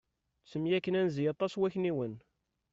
Ttemyakken anzi aṭas wakniwen.